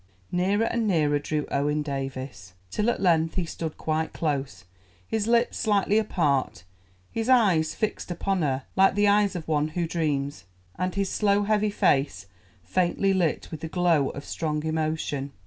Nearer and nearer drew Owen Davies, till at length he stood quite close, his lips slightly apart, his eyes fixed upon her like the eyes of one who dreams, and his slow heavy face faintly lit with the glow of strong emotion.